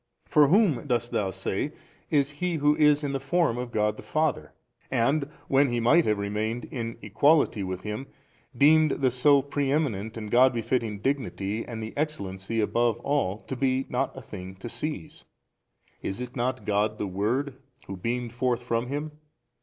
For whom dost thou say is He Who is in the Form of God the Father, and when He might have remained in Equality with Him deemed the so pre eminent and God befitting Dignity and the excellency above all to be not a thing to seize? is it not God the Word Who beamed forth from Him?